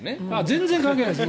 全然関係ないです。